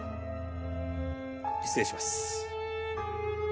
失礼します。